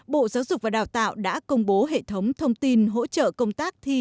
bộ giáo dục và đào tạo đã công bố hệ thống thông tin hỗ trợ công tác thi